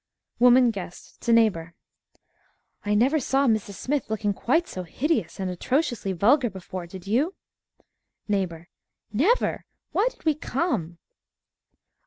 WOMAN GUEST (to neighbor) I never saw Mrs. Smythe looking quite so hideous and atrociously vulgar before, did you? NEIGHBOR Never! Why did we come?